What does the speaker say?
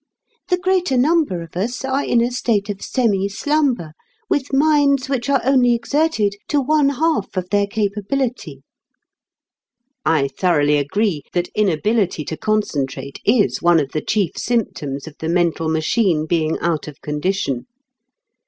The greater number of us are in a state of semi slumber, with minds which are only exerted to one half of their capability." I thoroughly agree that inability to concentrate is one of the chief symptoms of the mental machine being out of condition.